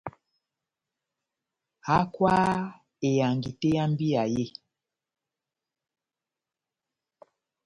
Hákwaha ehangi tɛ́h yá mbíya yé !